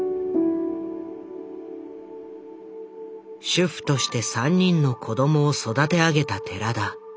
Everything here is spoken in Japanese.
主婦として３人の子供を育て上げた寺田。